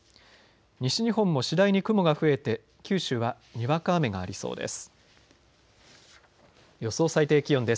西日本も次第に雲が増えて九州はにわか雨がありそうです。